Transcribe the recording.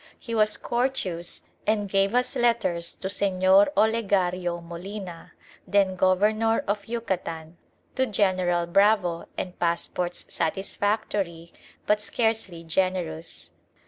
He was courteous and gave us letters to Señor Olegario Molina, then Governor of Yucatan, to General Bravo, and passports satisfactory, but scarcely generous.